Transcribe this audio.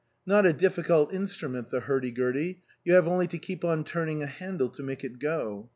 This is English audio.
Not a difficult instrument the hurdy gurdy ; you have only to keep on turning a handle to make it go.